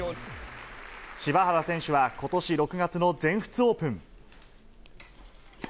柴原選手はことし６月の全仏オープン。